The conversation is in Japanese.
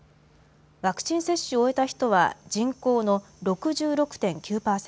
ワクチン接種を終えた人は人口の６６．９％。